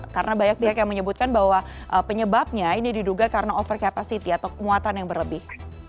karena banyak pihak yang menyebutkan bahwa penyebabnya ini diduga karena overcapacity atau kemuatan yang berlebih